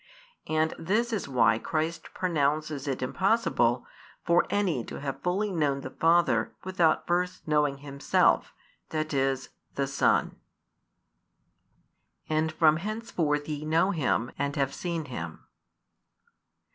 And this is why Christ pronounces it impossible for any to have fully known the Father without first knowing Himself, that is, the Son. And from henceforth ye know Him, and have seen Him.